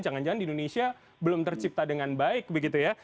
jangan jangan di indonesia belum tercipta dengan baik begitu ya